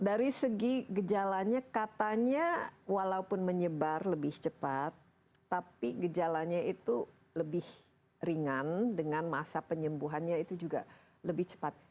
dari segi gejalanya katanya walaupun menyebar lebih cepat tapi gejalanya itu lebih ringan dengan masa penyembuhannya itu juga lebih cepat